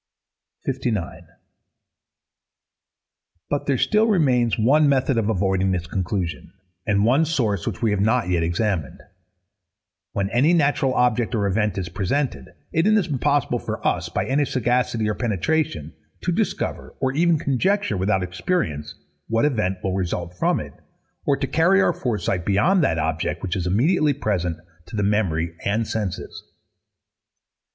59. But there still remains one method of avoiding this conclusion, and one source which we have not yet examined. When any natural object or event is presented, it is impossible for us, by any sagacity or penetration, to discover, or even conjecture, without experience, what event will result from it, or to carry our foresight beyond that object which is immediately present to the memory and senses.